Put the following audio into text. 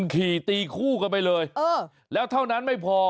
ขี่ตีคู่กันไปเลยแล้วเท่านั้นไม่พอ